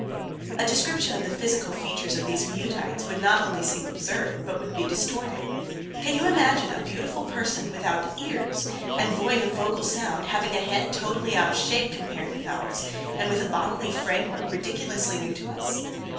A description of the physical features of these Muteites would not only seem absurd, but would be distorting. Can you imagine a beautiful person without ears and void of vocal sound, having a head totally out of shape compared with ours, and with a bodily framework ridiculously new to us?